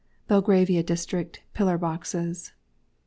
BELGRAVIA DISTRICT. PILLAR BOXES.